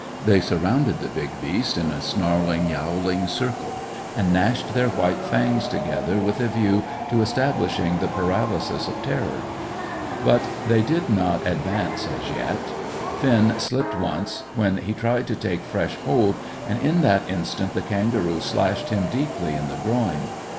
They surrounded the big beast in a snarling, yowling circle, and gnashed their white fangs together with a view to establishing the paralysis of terror. But they did not advance as yet. Finn slipped once, when he tried to take fresh hold, and in that instant the kangaroo slashed him deeply in the groin.